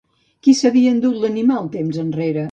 Qui s'havia endut l'animal temps enrere?